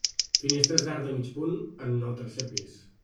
Finestres d'arc de mig punt en el tercer pis.